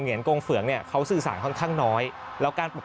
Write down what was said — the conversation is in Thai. กงเฝืองเนี่ยเขาสื่อสารค่อนข้างน้อยแล้วการปลูก